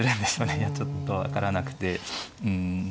いやちょっと分からなくてうん。